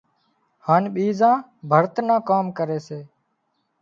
هانَ ٻيزان ڀرت نان ڪام ڪري سي